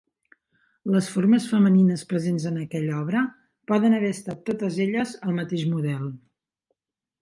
Les formes femenines presents en aquella obra poden haver estat totes elles el mateix model.